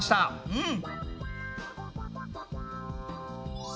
うん！